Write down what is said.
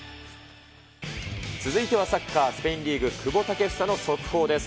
続いてはサッカー、スペインリーグ、久保建英の速報です。